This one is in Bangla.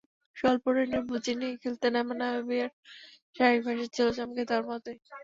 স্বল্প রানের পুঁজি নিয়ে খেলতে নামা নামিবিয়ার শারীরিক ভাষা ছিল চমকে দেওয়ার মতোই।